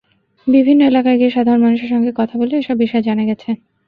বিভিন্ন এলাকায় গিয়ে সাধারণ মানুষের সঙ্গে কথা বলে এসব বিষয় জানা গেছে।